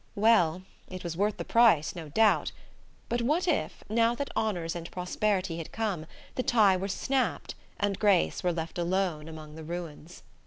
Well it was worth the price, no doubt; but what if, now that honours and prosperity had come, the tie were snapped, and Grace were left alone among the ruins?